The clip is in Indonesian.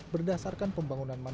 berdasarkan pembangunan manajemen